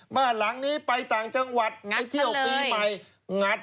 บ้านหลังนี้ไปต่างจังหวัด